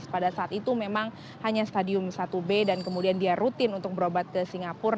pada saat itu memang hanya stadium satu b dan kemudian dia rutin untuk berobat ke singapura